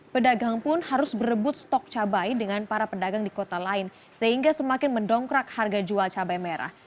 pedagang pun harus berebut stok cabai dengan para pedagang di kota lain sehingga semakin mendongkrak harga jual cabai merah